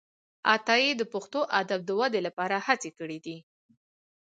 عطايي د پښتو ادب د ودې لپاره هڅي کړي دي.